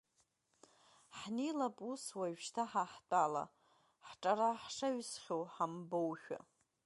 Ҳнеилап ус, уажәшьҭа ҳаҳтәала, ҳҿара шҳаҩсхьоу ҳамбоушәа!